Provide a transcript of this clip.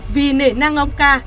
vì nể năng ông ca